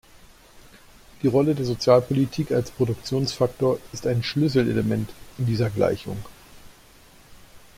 Die Rolle der Sozialpolitik als Produktionsfaktor ist ein Schlüsselelement in dieser Gleichung.